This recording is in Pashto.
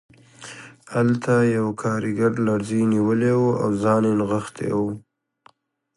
هلته یو کارګر لړزې نیولی و او ځان یې نغښتی و